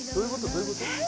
どういうこと？